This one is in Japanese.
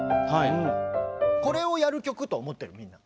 これをやる曲と思ってるみんな。